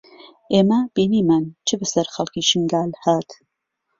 ئێمە بینیمان چ بەسەر خەڵکی شنگال هات